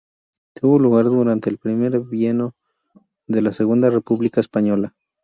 Tuvo lugar durante el primer bienio de la Segunda República Española.